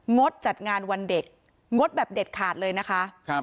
ดจัดงานวันเด็กงดแบบเด็ดขาดเลยนะคะ